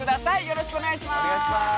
よろしくお願いします